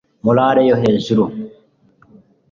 morale yo hejuru